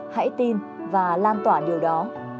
hãy tin và lan tỏa điều đó